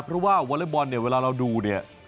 เพราะว่าวอเล็กบอลเนี่ยเวลาเราดูเนี่ย